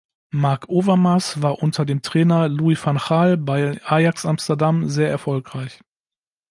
Marc Overmars war unter dem Trainer Louis van Gaal bei Ajax Amsterdam sehr erfolgreich.